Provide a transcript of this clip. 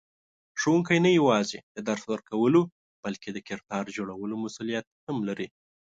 ښوونکی نه یوازې د درس ورکولو بلکې د کردار جوړولو مسئولیت هم لري.